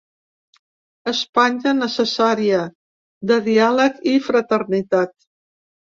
Espanya necessària de diàleg i fraternitat.